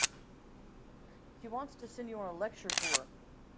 She wants to send you on a lecture tour.